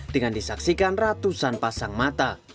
dengan disaksikan ratusan pasang mata